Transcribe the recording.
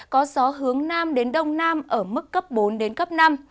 có gió hướng nam đến đông nam ở mức cấp bốn đến cấp năm